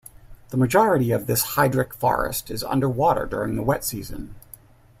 The majority of this hydric forest is under water during the wet season.